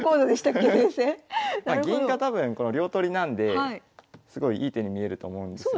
銀が多分この両取りなんですごいいい手に見えるとそうですよね。